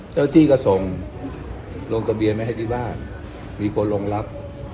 เจ้าที่ก็ส่งลงทะเบียนไว้ให้ที่บ้านมีคนลงรับ